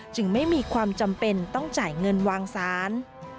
ไม่มีความจำเป็นต้องจ่ายเงินวางสาร